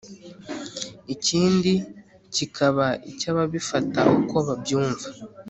ikindi kikaba icy'ababifata uko babyumva